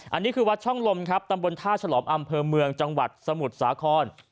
อันนี้คือวัดช่องลมครับตำบลท่าฉลอมอำเภอเมืองจังหวัดสมุทรสาคร